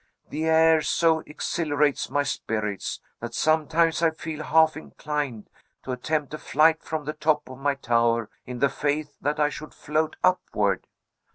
The air so exhilarates my spirits, that sometimes I feel half inclined to attempt a flight from the top of my tower, in the faith that I should float upward."